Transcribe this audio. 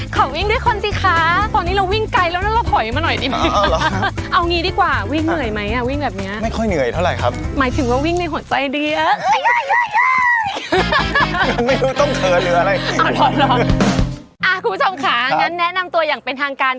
ขอวิ่งด้วยคนสิคะตอนนี้เราวิ่งไกลแล้วนั่นเราถอยมาหน่อยดีกว่า